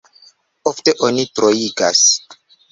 Ofte oni troigas.